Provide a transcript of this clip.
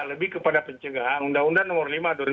lebih kepada pencegahan undang undang nomor lima